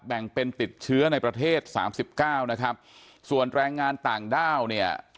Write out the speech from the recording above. แบ่งเป็นติดเชื้อในประเทศสามสิบเก้านะครับส่วนแรงงานต่างด้าวเนี่ย